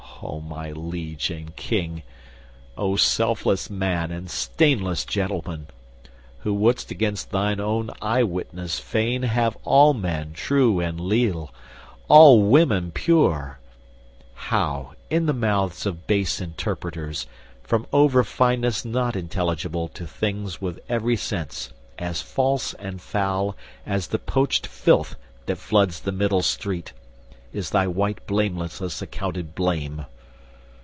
O my liege and King! O selfless man and stainless gentleman, Who wouldst against thine own eye witness fain Have all men true and leal, all women pure; How, in the mouths of base interpreters, From over fineness not intelligible To things with every sense as false and foul As the poached filth that floods the middle street, Is thy white blamelessness accounted blame!"